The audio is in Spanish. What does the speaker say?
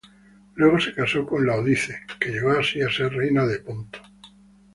Luego se casó con Laodice, que llegó así a ser reina de Ponto.